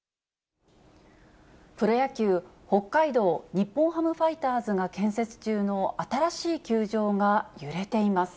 プロ野球・北海道日本ハムファイターズが建設中の新しい球場が揺れています。